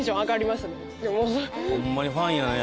ホンマにファンやね